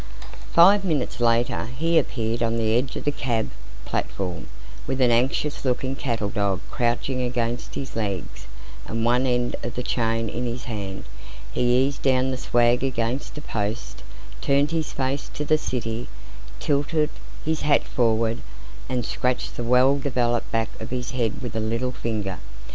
Five minutes later he appeared on the edge of the cab platform, with an anxious looking cattle dog crouching against his legs, and one end of the chain in his hand. He eased down the swag against a post, turned his face to the city, tilted his hat forward, and scratched the well developed back of his head with a little finger.